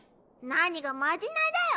何がまじないだよ。